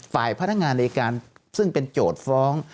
ฝ่ายพนักงานในการซึ่งเป็นโจทย์ฟ้อง